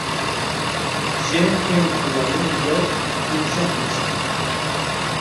Gent fent cua en una lloc Pizza Pizza.